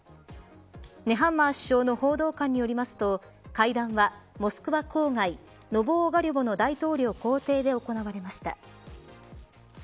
ネハンマー首相の報道官によりますと会談はモスクワ郊外ノボオガリョボの大統領公邸で行われました。